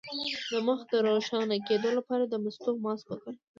د مخ د روښانه کیدو لپاره د مستو ماسک وکاروئ